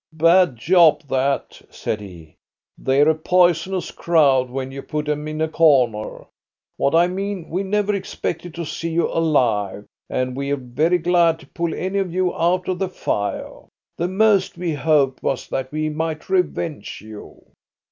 "Bad job that!" said he. "They're a poisonous crowd when you put 'em in a corner. What I mean, we never expected to see you alive, and we're very glad to pull any of you out of the fire. The most we hoped was that we might revenge you."